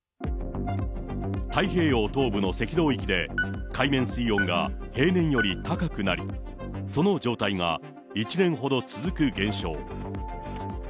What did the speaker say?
太平洋東部の赤道域で、海面水温が平年より高くなり、その状態が１年ほど続く現象。